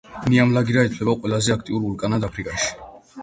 ნიამლაგირა ითვლება ყველაზე უფრო აქტიურ ვულკანად აფრიკაში.